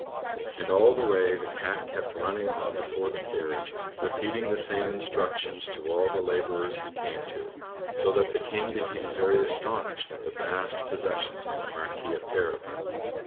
And all the way the Cat kept running on before the carriage, repeating the same instructions to all the laborers he came to; so that the King became very astonished at the vast possessions of the Marquis of Carabas.